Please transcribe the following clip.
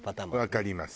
わかります。